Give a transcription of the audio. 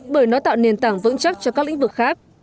bởi nó tạo nền tảng vững chắc cho các lĩnh vực khác